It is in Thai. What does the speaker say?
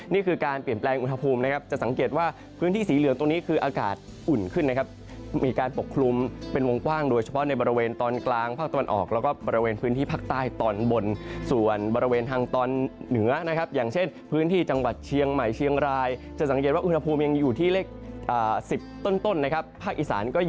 นี่คือการเปลี่ยนแปลงอุณหภูมินะครับจะสังเกตว่าพื้นที่สีเหลืองตรงนี้คืออากาศอุ่นขึ้นนะครับมีการปกคลุมเป็นวงกว้างโดยเฉพาะในบริเวณตอนกลางภาคตะวันออกแล้วก็บริเวณพื้นที่ภาคใต้ตอนบนส่วนบริเวณทางตอนเหนือนะครับอย่างเช่นพื้นที่จังหวัดเชียงใหม่เชียงรายจะสังเกตว่าอุณหภูมิยังอยู่ที่เลข๑๐ต้นนะครับภาคอีสานก็